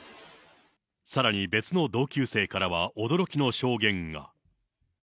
さらに別の同級生からは、驚きの証言が。